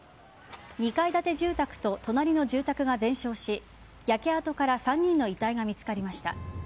２階建て住宅と隣の住宅が全焼し焼け跡から３人の遺体が見つかりました。